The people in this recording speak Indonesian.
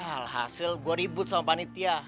alhasil gue ribut sama panitia